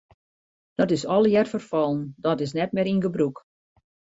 Dat is allegear ferfallen, dat is net mear yn gebrûk.